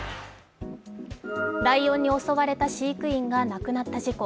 ライオンに襲われた飼育員が亡くなった事故。